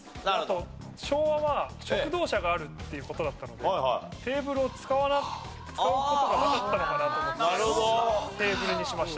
昭和は食堂車があるっていう事だったのでテーブルを使う事がなかったのかなと思ってテーブルにしました。